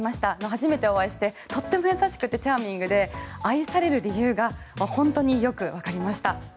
初めてお会いしてとっても優しくてチャーミングで愛される理由が本当によくわかりました。